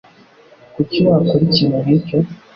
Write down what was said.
Kuki wakora ikintu nkicyo?